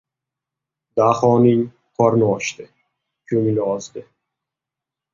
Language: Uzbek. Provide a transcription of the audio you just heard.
Daho qorni ochdi. Ko‘ngli ozdi.